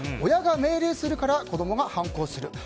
親が命令するから子供が反抗する。